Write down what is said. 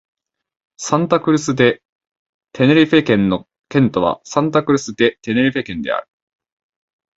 サンタ・クルス・デ・テネリフェ県の県都はサンタ・クルス・デ・テネリフェである